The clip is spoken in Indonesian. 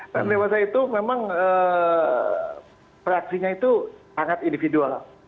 dan dewasa itu memang reaksinya itu sangat individual